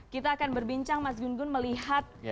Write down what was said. kita akan berbincang mas gun gun melihat